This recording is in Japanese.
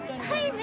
はい。